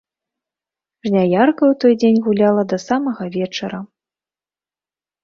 Жняярка ў той дзень гуляла да самага вечара.